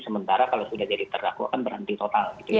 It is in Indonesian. sementara kalau sudah jadi terdakwa kan berhenti total